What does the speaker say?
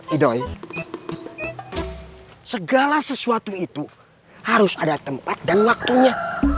edoy segala sesuatu itu harus ada tempat dan waktunya